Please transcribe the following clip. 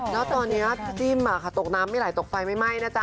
แล้วตอนนี้พี่จิ้มตกน้ำไม่ไหลตกไฟไม่ไหม้นะจ๊